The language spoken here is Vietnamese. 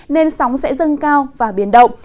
nên sóng sẽ dâng cao và biển động